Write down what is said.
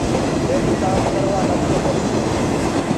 مي بيٚ ڪآم ڪروآ لگ گو پڇي